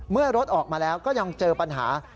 เมื่อรถออกมาแล้วก็ยังเจอปัญหา